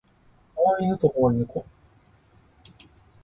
可愛い犬と可愛い猫